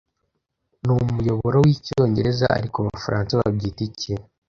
Numuyoboro wicyongereza ariko abafaransa babyita iki